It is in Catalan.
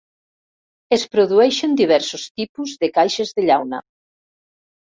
Es produeixen diversos tipus de caixes de llauna.